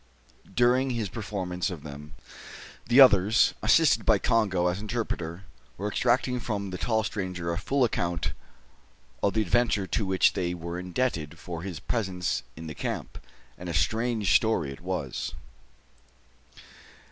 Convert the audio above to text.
During his performance of them, the others, assisted by Congo as interpreter, were extracting from the tall stranger a full account of the adventure to which they were indebted for his presence in the camp; and a strange story it was.